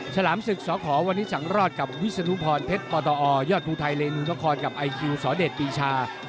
ฉลามศึกสขวันนี้สังรอดกับวิศนุพรเพชรปตอยอดภูไทยเรนูนครกับไอคิวสเดชปีชา